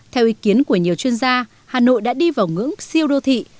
theo ý kiến của nhiều chuyên gia hà nội đã đi vào ngưỡng siêu đô thị